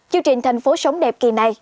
chương trình thành phố sống đẹp kỳ này